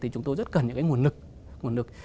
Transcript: thì chúng tôi rất cần những cái nguồn lực